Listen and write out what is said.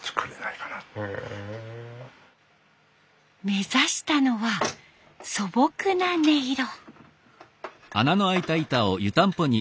目指したのは素朴な音色。